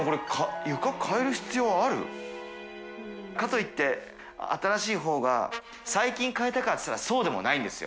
狩野）かといって新しい方が廼替えたかって言ったらそうでもないんですよ。